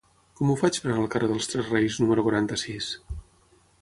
Com ho faig per anar al carrer dels Tres Reis número quaranta-sis?